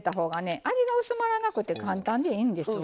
味が薄まらなくて簡単でいいんですわ。